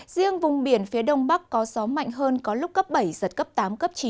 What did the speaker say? riêng vùng biển phía đông bắc có gió mạnh hơn có lúc cấp bảy giật cấp tám cấp chín